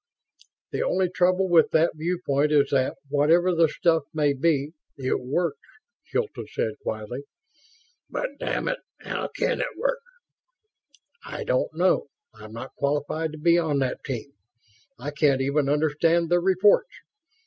"The only trouble with that viewpoint is that, whatever the stuff may be, it works," Hilton said, quietly. "But damn it, how can it work?" "I don't know. I'm not qualified to be on that team. I can't even understand their reports.